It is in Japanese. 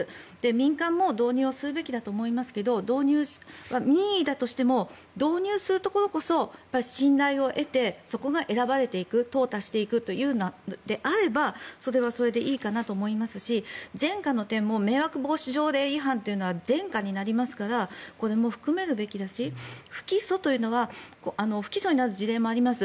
民間も導入をするべきだと思いますけれど導入は任意だとしても導入するところこそ信頼を得てそこが選ばれていくとう汰していくというのであればそれはそれでいいかなと思いますし前科の点も迷惑防止条例違反というのは前科になりますからこれも含めるべきですし不起訴というのは不起訴になる事例もあります。